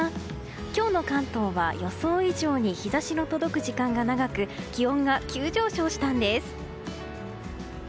今日の関東は予想以上に日差しの届く時間が長く気温が急上昇したんです。